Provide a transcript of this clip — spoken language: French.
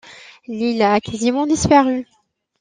L'île a quasiment disparu.